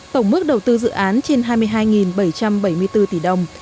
tổng mức đầu tư dự án trên hai mươi hai bảy trăm bảy mươi bốn tỷ đồng